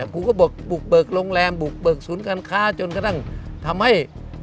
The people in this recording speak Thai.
ครูก็บอกบุกเบิกโรงแรมบุกเบิกศูนย์การค้าจนกระทั่งทำให้